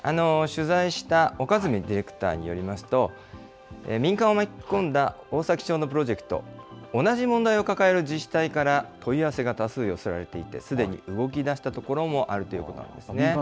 取材した岡積ディレクターによりますと、民間を巻き込んだ、大崎町のプロジェクト、同じ問題を抱える自治体から問い合わせが多数寄せられていて、すでに動きだした所もあるということなんですね。